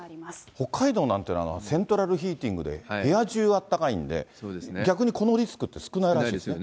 北海道なんていうのは、セントラルヒーティングで部屋中暖かいんで、逆にこのリスクって少ないらしいですね。